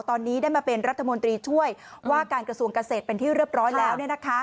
ตอนนี้ได้มาเป็นรัฐมนตรีช่วยว่าการกระทรวงเกษตรเป็นที่เรียบร้อยแล้ว